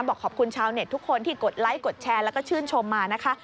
บอกขอบคุณชาวเน็ตทุกคนที่กดไลค์กดแชร์แล้วก็ชื่นชมมานะคะ